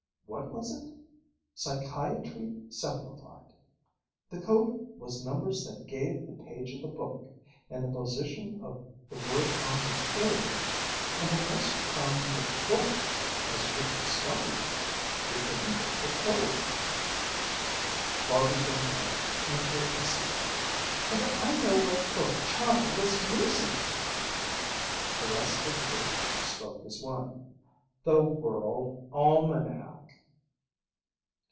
What was it? Psychiatry Simplified. The code was numbers that gave the page of the book, and the position of the word on the page, and unless you found the book, as Rick and Scotty did, you couldn't break the code!" Barby jumped up in her excitement. "And I know what book Chahda was using!" The rest of the group spoke as one. "_The World Almanac!